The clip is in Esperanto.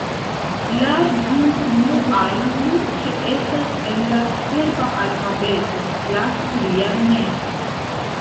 La du unuaj nun ĉeestas en la serba alfabeto, la tria ne.